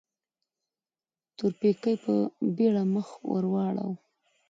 تورپيکۍ په بيړه مخ ور واړاوه.